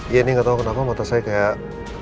iya ini gak tau kenapa mata saya kayak